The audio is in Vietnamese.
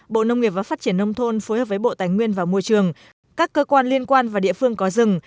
bộ nông nghiệp và phát triển nông thôn phối hợp với bộ tài nguyên và môi trường các cơ quan liên quan và địa phương có rừng